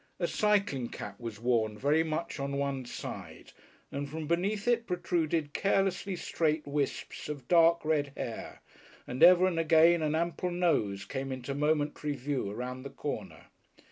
A cycling cap was worn very much on one side, and from beneath it protruded carelessly straight wisps of dark red hair, and ever and again an ample nose came into momentary view round the corner.